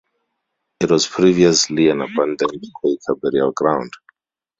It was previously an abandoned Quaker burial ground.